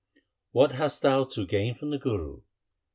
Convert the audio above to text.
What hast thou to gain from the Guru